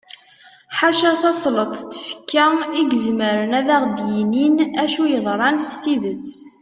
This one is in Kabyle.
ḥala tasleḍt n tfekka i izemren ad aɣ-yinin acu yeḍran s tidet